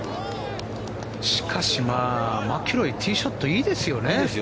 しかし、マキロイティーショットいいですよね。